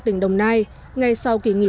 tỉnh đồng nai ngay sau kỷ nghỉ